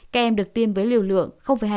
các em được tiêm với liều lượng